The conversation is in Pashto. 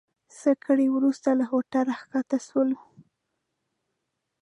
څه ګړی وروسته له هوټل راکښته سولو.